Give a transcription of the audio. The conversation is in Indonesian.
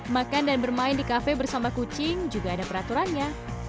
makan dan bermain di kafe bersama kucing juga ada peraturannya